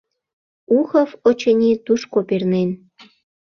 Ухов, очыни, тушко пернен.